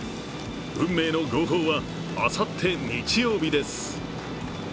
運命の号砲はあさって日曜日です。